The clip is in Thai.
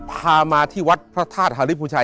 พามาที่วัดพระธาตุฮาริภูชัย